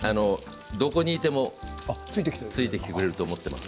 どこにいてもついてきてくれていると思っています。